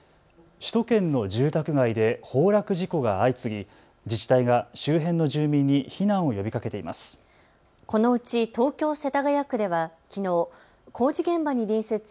首都圏の住宅街で崩落事故が相次ぎ自治体が周辺の住民に避難を呼びかけています。